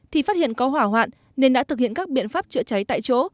thì phát hiện có hỏa hoạn nên đã thực hiện các biện pháp chữa cháy tại chỗ